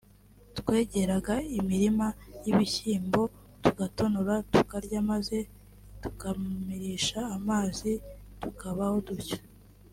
twegeraga imirima y’ibishyimbo tugatonora tukarya maze tukamirisha amazi tukabaho dutyo